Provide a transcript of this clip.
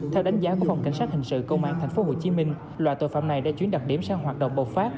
theo đánh giá của phòng cảnh sát hình sự công an tp hcm loại tội phạm này đã chuyển đặc điểm sang hoạt động bột phát